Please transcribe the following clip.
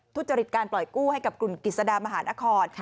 ทุจริตการปล่อยกู้ให้กับกลุ่มกิจสดามหานคร